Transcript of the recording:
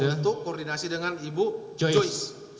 untuk koordinasi dengan ibu joyce